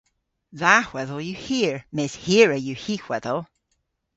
Dha hwedhel yw hir mes hirra yw hy hwedhel.